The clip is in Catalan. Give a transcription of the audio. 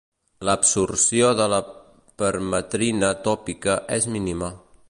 L'absorció de la permetrina tòpica es mínima.